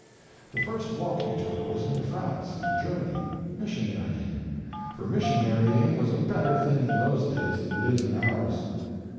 The first walk he took was into France and Germany, missionarying—for missionarying was a better thing in those days than it is in ours.